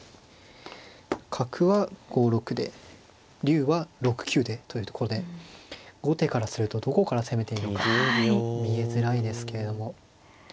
角は５六で竜は６九でというところで後手からするとどこから攻めていいのか見えづらいですけれども。